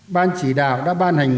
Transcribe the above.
ban chỉ đạo đã ban hành